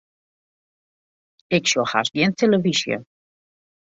Ik sjoch hast gjin telefyzje.